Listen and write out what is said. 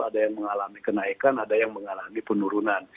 ada yang mengalami kenaikan ada yang mengalami penurunan